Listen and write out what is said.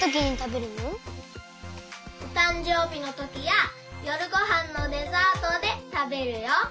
おたんじょうびのときやよるごはんのデザートでたべるよ。